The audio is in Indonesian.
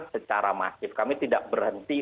secara masif kami tidak berhenti